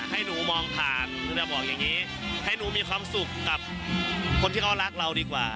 ให้หนูมองผ่านบอกอย่างนี้ให้หนูมีความสุขกับคนที่เขารักเราดีกว่า